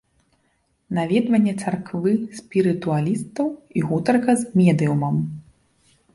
Наведванне царквы спірытуалістаў і гутарка з медыумам.